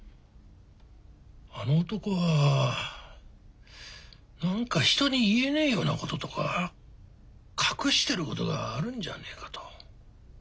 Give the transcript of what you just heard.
あの男は何か人に言えねえようなこととか隠してることがあるんじゃねえかと。